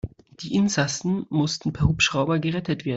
Die Insassen mussten per Hubschrauber gerettet werden.